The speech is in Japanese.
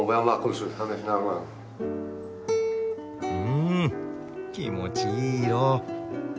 ん気持ちいい色。